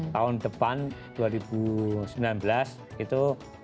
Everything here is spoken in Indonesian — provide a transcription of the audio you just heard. tahun depan dua ribu sembilan belas itu